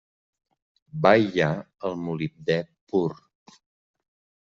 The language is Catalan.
Va aïllar el molibdè pur.